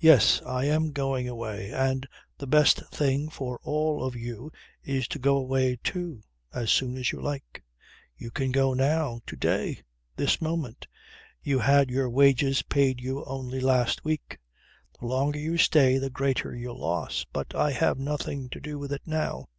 "Yes. I am going away. And the best thing for all of you is to go away too, as soon as you like. You can go now, to day, this moment. You had your wages paid you only last week. The longer you stay the greater your loss. But I have nothing to do with it now.